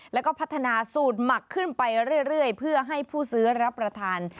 แล้วก็พัฒนาสูตรหมักขึ้นไปเรื่อยเพื่อให้ผู้ซื้อรับประทาน